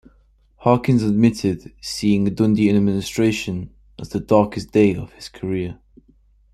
Harkins admitted, seeing Dundee in administration, as the darkest day of his career.